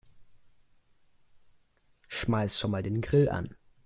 Schmeiß schon mal den Grill an.